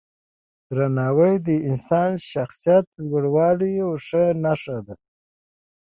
درناوی د انسان د شخصیت لوړوالي یوه نښه ده.